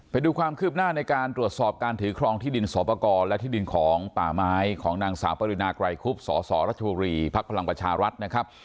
ไปดูความคืบหน้าในการตรวจสอบการถือครองที่ดินสอปกรและที่ดินของป่าไม้ของนางสาวปรินาไกรคุบสสรัชบุรีภักดิ์พลังประชารัฐนะครับ